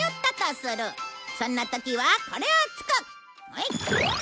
そんな時はこれをつく。